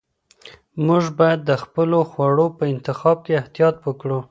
موږ باید د خپلو خوړو په انتخاب کې احتیاط وکړو.